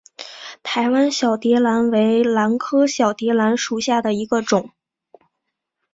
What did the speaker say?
台湾小蝶兰为兰科小蝶兰属下的一个种。